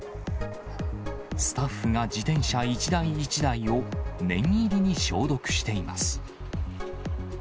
スタッフが自転車一台一台を念入りに消毒しています。